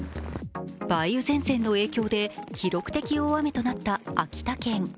梅雨前線の影響で記録的大雨となった秋田県。